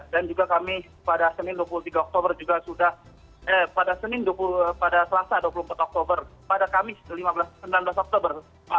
dan juga kami pada senin dua puluh tiga oktober juga sudah eh pada senin dua puluh empat oktober pada kamis enam belas oktober